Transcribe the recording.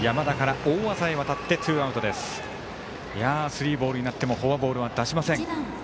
スリーボールになってもフォアボール出しません。